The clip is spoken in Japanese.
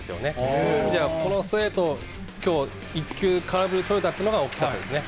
そういう意味ではこのストレート、きょう一球空振りとれたというのは、大きかったですね。